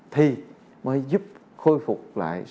thì mới giúp khôi phục lại